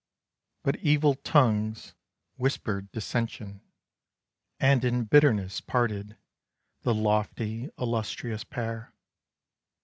But evil tongues whispered dissension, And in bitterness parted The lofty, illustrious pair.